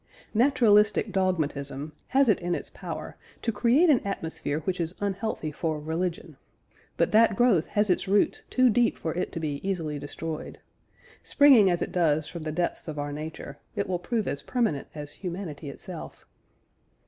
Naturalistic dogmatism has it in its power to create an atmosphere which is unhealthy for religion, but that growth has its roots too deep for it to be easily destroyed. Springing as it does from the depths of our nature, it will prove as permanent as humanity itself.